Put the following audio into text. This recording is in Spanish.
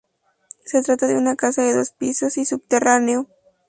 Se trata de una casa de dos pisos y subterráneo.